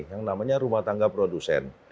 ini adalah perusahaan rumah tangga produsen